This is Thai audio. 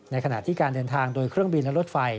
ขณะที่การเดินทางโดยเครื่องบินและรถไฟ